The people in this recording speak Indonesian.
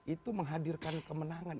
itu menghadirkan kemenangan